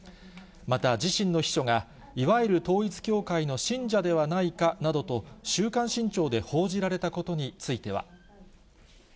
また自身の秘書が、いわゆる統一教会の信者ではないかなどと、週刊新潮で報じられたことについては。